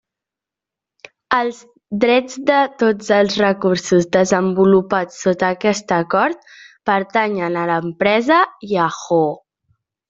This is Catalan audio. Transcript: Els drets de tots els recursos desenvolupats sota aquest acord pertanyen a l'empresa Yahoo.